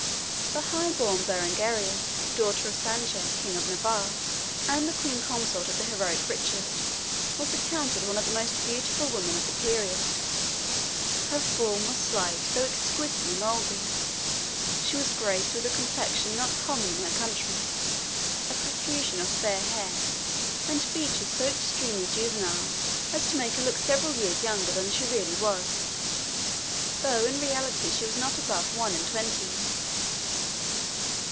The high born Berengaria, daughter of Sanchez, King of Navarre, and the Queen Consort of the heroic Richard, was accounted one of the most beautiful women of the period. Her form was slight, though exquisitely moulded. She was graced with a complexion not common in her country, a profusion of fair hair, and features so extremely juvenile as to make her look several years younger than she really was, though in reality she was not above one and twenty.